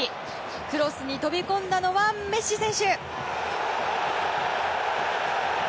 クロスに飛び込んだのはメッシ選手！